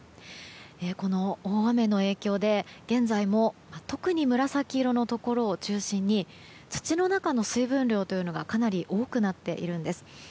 この大雨の影響で現在も特に紫色のところを中心に土の中の水分量というのがかなり多くなっているんです。